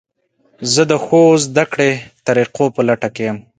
زه د ښو زده کړې طریقو په لټه کې یم.